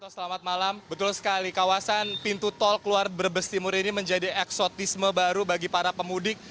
selamat malam betul sekali kawasan pintu tol keluar brebes timur ini menjadi eksotisme baru bagi para pemudik